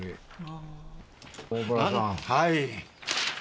はい。